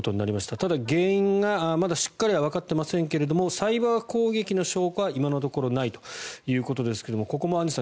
ただ、原因がまだしっかりはわかっていませんけどもサイバー攻撃の証拠は今のところないということですがここもアンジュさん